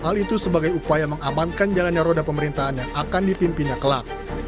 hal itu sebagai upaya mengamankan jalannya roda pemerintahan yang akan dipimpinnya kelak